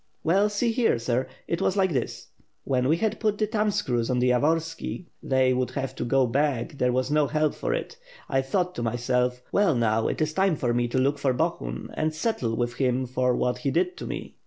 "Well, see here, sir, it was like this. When we had put the thumb screws on the Yavorski (they would have to go beg, there was no help for it) 1 thought to myself, *well, now, it is time for me to look for Bohun and settle with him for what he did to me.'